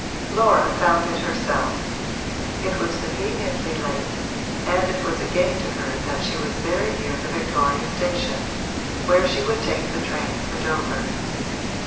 Laura found it herself; it was conveniently late, and it was a gain to her that she was very near the Victoria station, where she would take the train for Dover.